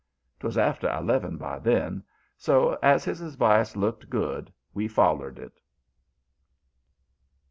'Twas after eleven by then, so, as his advice looked good, we follered it.